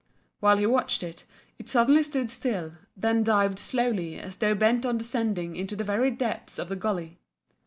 While he watched it, it suddenly stood still, then dived slowly as though bent on descending into the very depths of the gully.